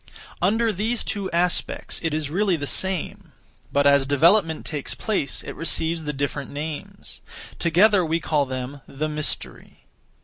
Under these two aspects, it is really the same; but as development takes place, it receives the different names. Together we call them the Mystery.